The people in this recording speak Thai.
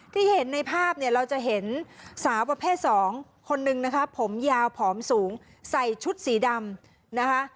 ที่เห็นในภาพเราจะเห็นสาวประเภท๒คนหนึ่งนะครับผมยาวผอมสูงใส่ชุดสีดำ